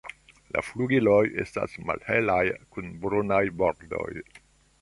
La flugiloj estas malhelaj kun brunaj bordoj.